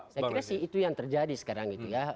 saya kira sih itu yang terjadi sekarang